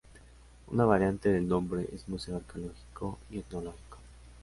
Una variante del nombre es Museo Arqueológico y Etnológico